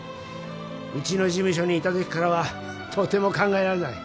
うちの事務所にいたときからはとても考えられない